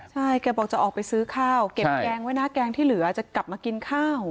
ใช่แกบอกจะออกไปซื้อข้าวเก็บแกงไว้นะแกงที่เหลือจะกลับมากินข้าว